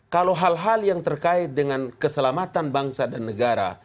kalau hal hal yang terkait dengan keselamatan bangsa dan negara